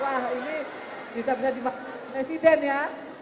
wah ini bisa menjadi presiden ya